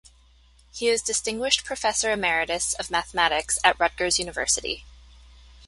He is Distinguished Professor Emeritus of Mathematics at Rutgers University.